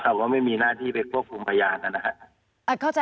แต่ว่าไม่มีหน้าที่ไปควบคุมพยานนะครับ